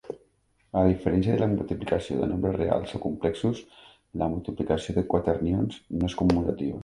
A diferència de la multiplicació de nombres reals o complexos, la multiplicació de quaternions no és commutativa.